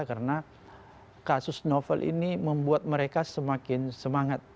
karena kasus novel ini membuat mereka semakin semangat